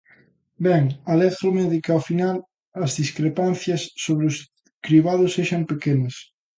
Ben, alégrome de que, ao final, as discrepancias sobre os cribados sexan pequenas.